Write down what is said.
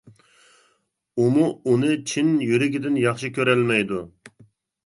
ئۇمۇ ئۇنى چىن يۈرىكىدىن ياخشى كۆرەلمەيدۇ.